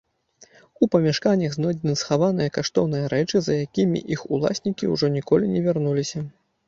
У памяшканнях знойдзены схаваныя каштоўныя рэчы, за якімі іх уласнікі ўжо ніколі не вярнуліся.